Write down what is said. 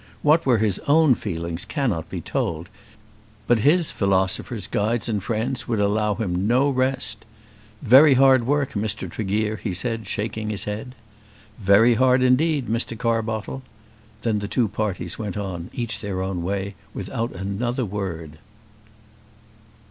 What were his own feelings cannot be told, but his philosophers, guides, and friends would allow him no rest. "Very hard work, Mr. Tregear," he said, shaking his head. "Very hard indeed, Mr. Carbottle." Then the two parties went on, each their own way, without another word.